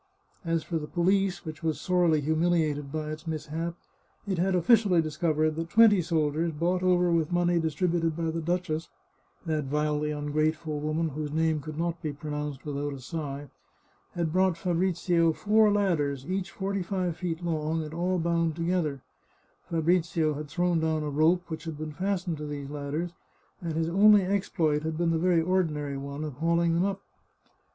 As for the police, which was sorely humiliated by its mishap, it had officially discovered that twenty soldiers, bought over with money distributed by the duchess — that vilely ungrateful woman whose name could not be pronounced without a sigh — had brought Fabrizio four ladders, each forty live feet long, and all bound together, Fabrizio had thrown down a rope, which had been fastened to these ladders, and his only ex ploit had been the very ordinary one of hauling them up.